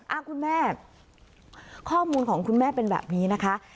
คุณแม่ข้อมูลของคุณแม่เป็นแบบนี้นะคะ